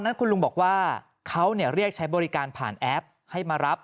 นั้นคุณลุงบอกว่าเขาเรียกใช้บริการผ่านแอปให้มารับ